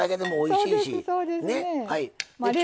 そうですそうですね。